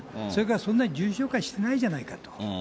それからそんな重症化してないじゃないかと。